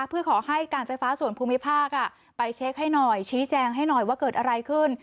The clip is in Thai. เพื่อขอให้การไฟฟ้าส่วนภูมิภาคไปเช็คให้หน่อยชี้แจงให้หน่อยว่าเกิดอะไรขึ้น